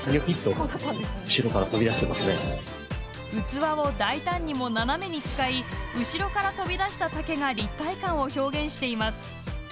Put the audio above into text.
器を大胆にも斜めに使い後ろから飛び出した竹が立体感を表現しています。